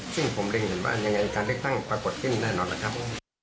ซึ่งผมเรียนเห็นว่ายังไงการเลือกตั้งปรากฏขึ้นแน่นอนล่ะครับ